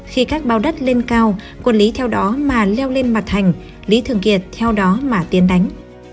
khi các bao đất lên cao quân lý theo đó mà leo lên mặt thành lý thường kiệt theo đó mà tiến đánh